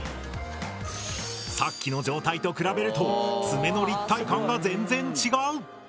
さっきの状態と比べると爪の立体感が全然違う！